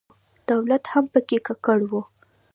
دولت هم په کې ککړ و.